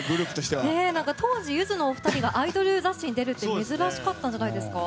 当時、ゆずのお二人がアイドル雑誌に出るって珍しかったんじゃないですか？